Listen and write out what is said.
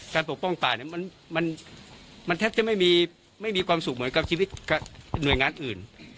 ปกป้องป่าเนี่ยมันแทบจะไม่มีความสุขเหมือนกับชีวิตหน่วยงานอื่น